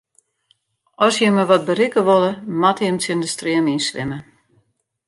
As jimme wat berikke wolle, moatte jimme tsjin de stream yn swimme.